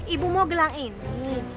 ibu mau gelang ini